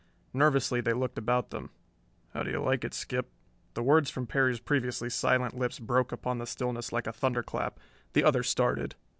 Nervously they looked about them. "How do you like it, Skip?" The words from Perry's previously silent lips broke upon the stillness like a thunderclap. The other started.